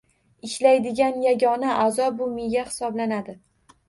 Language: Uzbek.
Ishlaydigan yagona a’zo bu miya hisoblanadi.